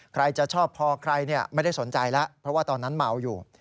ใครจะชอบพอใครไม่ได้สนใจแล้วเพราะว่าตอนนั้นเมาอยู่